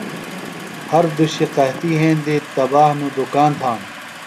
ہر دوشیۡ قحطیۡ یھندیۡ، تباہ نوۡ دُکان تھانوۡ